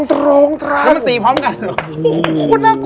ก็มันตีพร้อมกันเหรอ